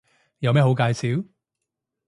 有咩好介紹